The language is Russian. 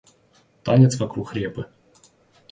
Танец вокруг репы.